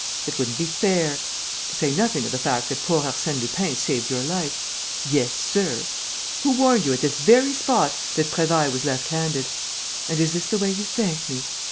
It wouldn't be fair. To say nothing of the fact that poor Arsène Lupin saved your life.... Yes, sir! Who warned you, at this very spot, that Prévailles was left handed?... And is this the way you thank me?